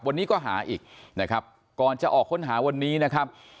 วันนี้ก็หาอีกนะครับก่อนจะออกค้นหาวันนี้นะครับ